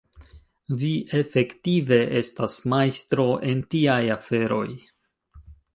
Vi, efektive, estas majstro en tiaj aferoj.